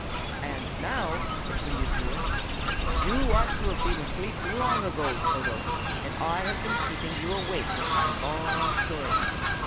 "And now," continued Bruin, "you ought to have been asleep long ago, Toto, and I have been keeping you awake with my long story.